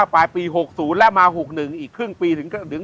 ปลายปี๖๐แล้วมา๖๑อีกครึ่งปีถึง